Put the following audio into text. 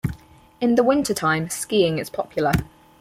In the wintertime, skiing is popular.